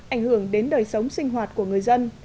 ảnh hưởng đến đời sống sinh hoạt của người dân